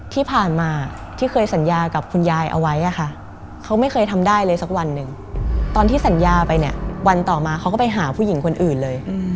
ที่ผ่านมาที่เคยสัญญากับคุณยายเอาไว้อะค่ะเขาไม่เคยทำได้เลยสักวันหนึ่งตอนที่สัญญาไปเนี่ยวันต่อมาเขาก็ไปหาผู้หญิงคนอื่นเลย